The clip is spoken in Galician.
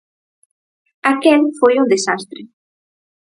Aquel foi un desastre.